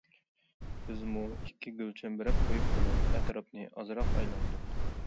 بىزمۇ ئىككى گۈلچەمبىرەك قويۇپ بولۇپ، ئەتراپنى ئازراق ئايلاندۇق.